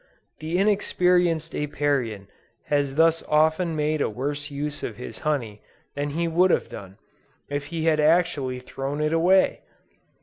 The inexperienced Apiarian has thus often made a worse use of his honey than he would have done, if he had actually thrown it away!